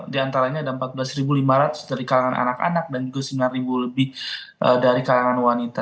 di antaranya ada empat belas lima ratus dari kalangan anak anak dan juga sembilan lebih dari kalangan wanita